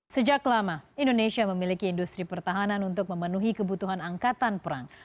sejak lama indonesia memiliki industri pertahanan untuk memenuhi kebutuhan angkatan perang